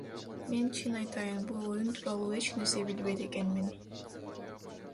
Мен, чын айтайын, бул оюн тууралуу эч нерсе билбейт экенмин.